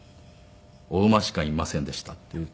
「お馬しかいませんでした」って言うと。